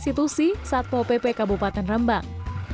istitusi satmo pp kabupaten rembang